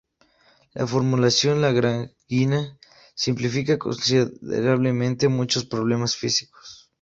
La formulación lagrangiana simplifica considerablemente muchos problemas físicos.